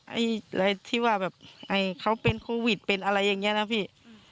อะไรที่ว่าแบบเขาเป็นโควิดเป็นอะไรอย่างนี้นะพี่